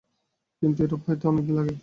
কিন্তু এরূপ হইতে অনেক দিন লাগে।